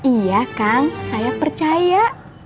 iya kang saya percaya